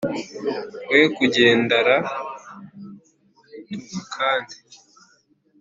we kugandara tugukande